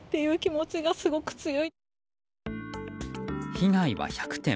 被害は１００点